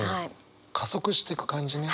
加速してく感じね。